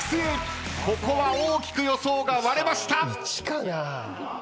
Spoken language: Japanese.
ここは大きく予想が割れました！